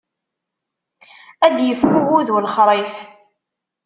Ad d-yefk ugudu lexṛif.